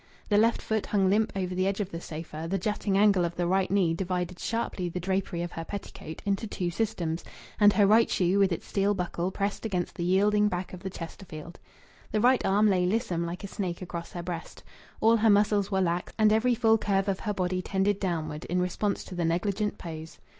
The left foot hung limp over the edge of the sofa; the jutting angle of the right knee divided sharply the drapery of her petticoat into two systems, and her right shoe with its steel buckle pressed against the yielding back of the Chesterfield. The right arm lay lissom like a snake across her breast. All her muscles were lax, and every full curve of her body tended downward in response to the negligent pose.